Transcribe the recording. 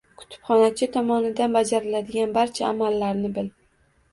Kutubxonachi tomonidan bajariladigan barcha amallarni bil.